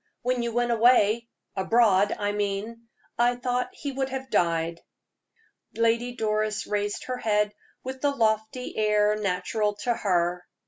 "When you went away abroad, I mean I thought he would have died." Lady Doris raised her head with the lofty air natural to her.